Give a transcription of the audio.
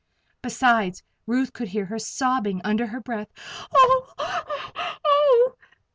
Besides, Ruth could hear her sobbing under her breath: "Oh, oh, oh!"